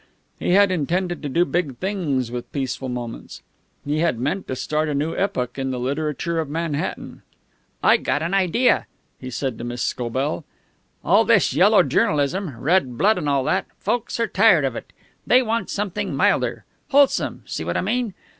He had intended to do big things with Peaceful Moments. He had meant to start a new epoch in the literature of Manhattan. "I gottan idea," he had said to Miss Scobell. "All this yellow journalism red blood and all that folks are tired of it. They want something milder. Wholesome, see what I mean?